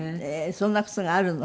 そんな靴があるの？